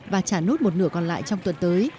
và trả nốt một nửa còn lại trong tuần tới